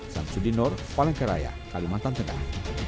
sam sudinor palangkaraya kalimantan tengah